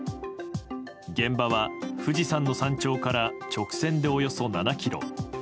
現場は富士山の山頂から直線でおよそ７ｋｍ。